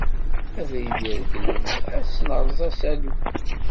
Abrid iregglen ad s-neṛṛeẓ asalu